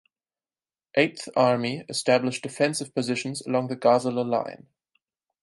Eighth Army established defensive positions along the Gazala Line.